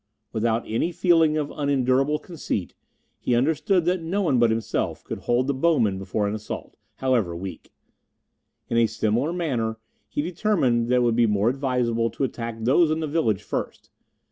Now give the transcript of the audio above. Without any feeling of unendurable conceit, he understood that no one but himself could hold the bowmen before an assault, however weak. In a similar manner, he determined that it would be more advisable to attack those in the village first.